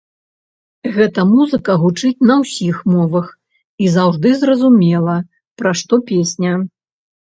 Гэта музыка гучыць на ўсіх мовах і заўжды зразумела, пра што песня.